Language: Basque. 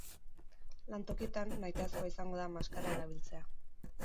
Lantokietan nahitaezkoa izango da maskara erabiltzea.